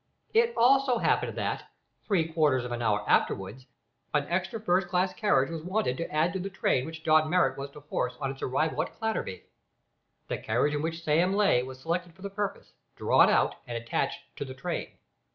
It so happened that, three quarters of an hour afterwards, an extra first class carriage was wanted to add to the train which John Marrot was to "horse" on its arrival at Clatterby. The carriage in which Sam lay was selected for the purpose, drawn out, and attached to the train.